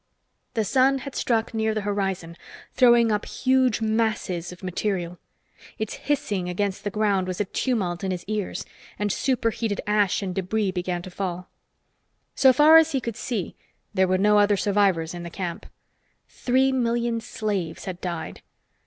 The sun had struck near the horizon, throwing up huge masses of material. Its hissing against the ground was a tumult in his ears, and superheated ash and debris began to fall. So far as he could see, there were no other survivors in the camp. Three million slaves had died.